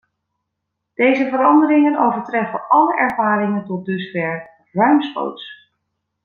Deze veranderingen overtreffen alle ervaringen tot dusver ruimschoots.